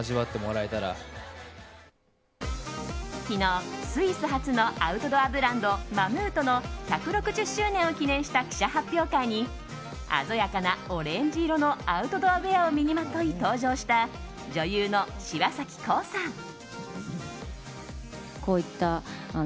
昨日、スイス発のアウトドアブランドマムートの１６０周年を記念した記者発表会に鮮やかなオレンジ色のアウトドアウェアを身にまとい登場した、女優の柴咲コウさん。